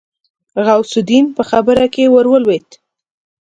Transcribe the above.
غوث الدين په خبره کې ورولوېد.